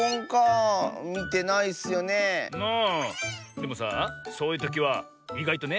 でもさあそういうときはいがいとね